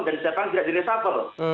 dan siapa yang tidak diresable